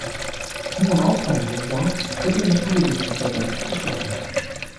Im darauf folgenden Jahr wurde die Schule wegen Insolvenz geschlossen.